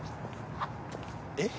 えっ？